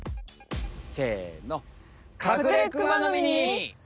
せの。